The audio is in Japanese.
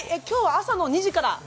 今日は朝の２時から。